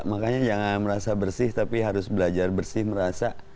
makanya jangan merasa bersih tapi harus belajar bersih merasa